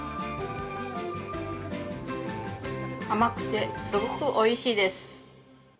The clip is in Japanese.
甘くて、すごくおいしいです。